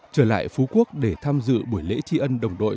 trở lại phú quốc để tham dự buổi lễ tri ân đồng đội